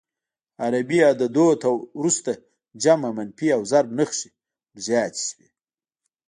عربي عددونو ته وروسته جمع، منفي او ضرب نښې ور زیاتې شوې.